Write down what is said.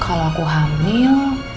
kalau aku hamil